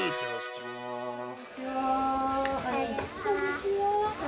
こんにちは。